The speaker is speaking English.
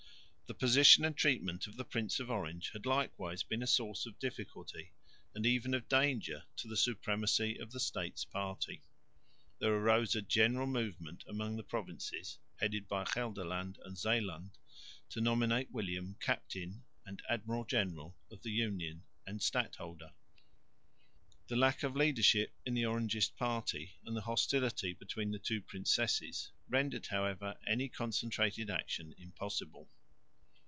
The position and treatment of the Prince of Orange had likewise been a source of difficulty and even of danger to the supremacy of the States party. There arose a general movement among the provinces, headed by Gelderland and Zeeland, to nominate William captain and admiral general of the Union and stadholder. The lack of leadership in the Orangist party, and the hostility between the two princesses, rendered, however, any concentrated action impossible.